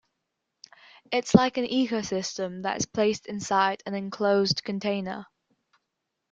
It is like an ecosystem that is placed inside an enclosed container.